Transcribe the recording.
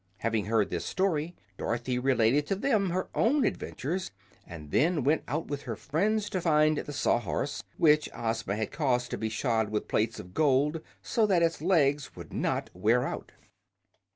Having heard this story, Dorothy related to them her own adventures, and then went out with her friends to find the Sawhorse, which Ozma had caused to be shod with plates of gold, so that its legs would not wear out.